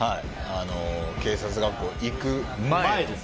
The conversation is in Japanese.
警察学校行く前です。